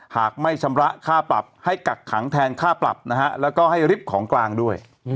หากไม่ชำระค่าปรับให้กักขังแทนค่าปรับนะฮะแล้วก็ให้ริบของกลางด้วย